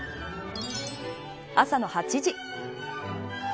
朝の８時。